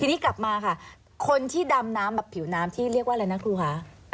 ทีนี้กลับมาค่ะคนที่ดำน้ำแบบผิวน้ำที่เรียกว่าอะไรนะครูคะ